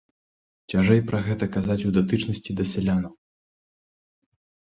Цяжэй пра гэта казаць у датычнасці да сялянаў.